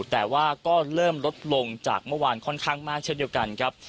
แต่ว่าก็เริ่มลดลงจากเมื่อวานค่อนข้างมากเช่นเดียวกันครับ